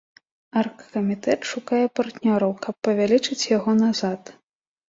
Аргкамітэт шукае партнёраў, каб павялічыць яго назад.